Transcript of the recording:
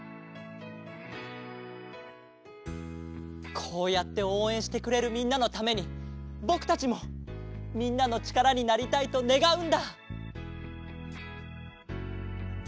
こうやっておうえんしてくれるみんなのためにぼくたちもみんなのちからになりたいとねがうんだ。